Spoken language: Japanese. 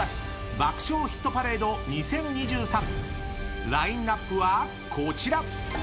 「爆笑ヒットパレード２０２３」ラインアップはこちら！